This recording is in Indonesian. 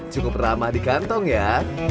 cukup ramah di kantong ya